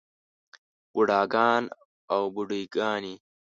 بوډاګان او بوډے ګانے